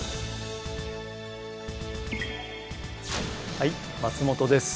はい松本です。